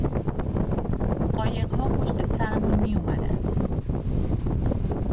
قایقها پشت سرمون میاومدن